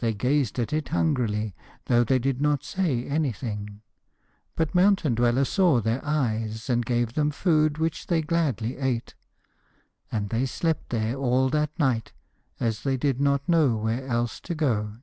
They gazed at it hungrily, though they did not say anything, but Mountain Dweller saw their eyes and gave them food which they gladly ate; and they slept there all that night, as they did not know where else to go.